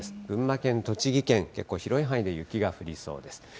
群馬県、栃木県、結構、広い範囲で雪が降りそうです。